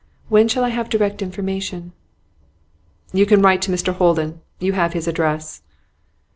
When shall I have direct information?' 'You can write to Mr Holden; you have his address.